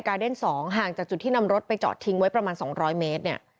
เดน๒ห่างจากจุดที่นำรถไปจอดทิ้งไว้ประมาณ๒๐๐เมตรเนี่ย